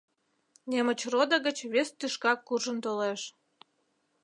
Немычродо гыч вес тӱшка куржын толеш.